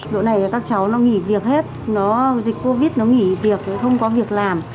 độ này các cháu nó nghỉ việc hết nó dịch covid nó nghỉ việc không có việc làm